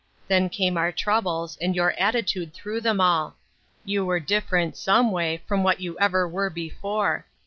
Then came our troubles, and your attitude through them all. You were different, some way, from what you ever were before.